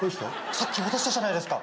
さっき渡したじゃないですか。